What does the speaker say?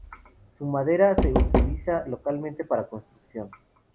Su madera se utiliza localmente para construcción.